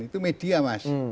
itu media mas